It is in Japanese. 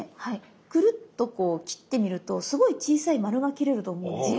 クルっとこう切ってみるとすごい小さい丸が切れると思うんですよ。